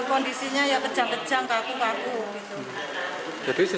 kondisinya ya kejang kejang kaku kaku gitu